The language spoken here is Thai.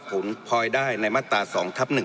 ผมพลอยได้ในมาตรา๒ทับ๑